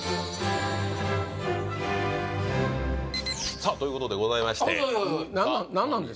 さあということでございまして何なんですか？